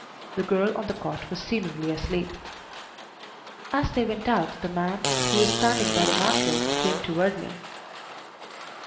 The girl on the cot was seemingly asleep. As they went out the man, who was standing by the mantel, came toward me.